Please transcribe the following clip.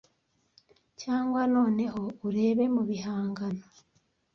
Cyangwa noneho ureba, mubihangano,